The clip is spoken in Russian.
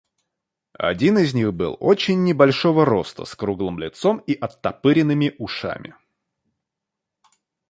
Один из них был очень небольшого роста, с круглым лицом и оттопыренными ушами.